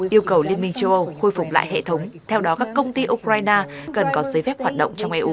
yêu cầu liên minh châu âu khôi phục lại hệ thống theo đó các công ty ukraine cần có giới phép hoạt động trong eu